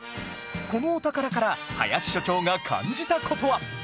このお宝から林所長が感じた事は